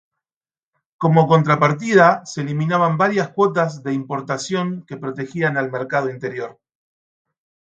Como contrapartida se eliminaban varias cuotas de importación que protegían al mercado interior.